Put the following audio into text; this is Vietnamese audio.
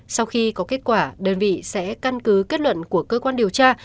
sau khi có kết quả đơn vị sẽ căn cứ kết luận của cơ quan điều tra